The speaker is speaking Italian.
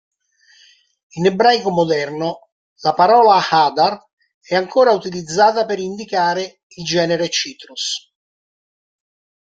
In ebraico moderno la parola "hadar" è ancora utilizzata per indicare il genere "Citrus".